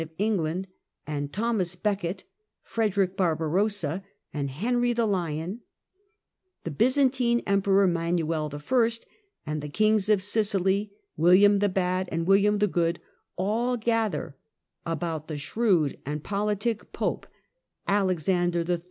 of England and Thomas Becket, Frederick Barbarossa and Henry the Lion, the Byzantine Emperor Manuel L, and the kings of Sicily, William the Bad and William the Good, all gather about the shrewd and politic Pope, Alexander III.